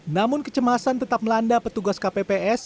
namun kecemasan tetap melanda petugas kpps